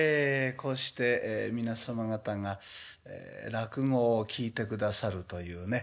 こうして皆様方が落語を聴いてくださるというね